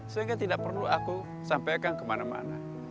sehingga tidak perlu aku sampaikan kemana mana